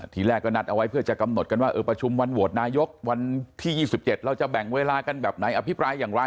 ทีแรกก็นัดเอาไว้เพื่อจะกำหนดกันว่าเออประชุมวันโหวตนายกวันที่๒๗เราจะแบ่งเวลากันแบบไหนอภิปรายอย่างไร